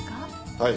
はい。